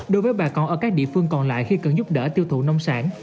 đối với bà con ở các địa phương còn lại khi cần giúp đỡ tiêu thụ nông sản